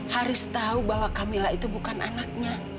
haris tahu bahwa camilla itu bukan anaknya